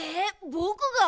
ぼくが？